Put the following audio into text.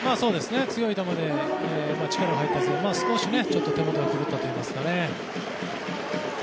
強い球で力は入ってましたが少し手元が狂ったといいますかね。